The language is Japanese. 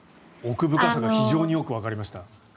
奥深さが非常によくわかりました。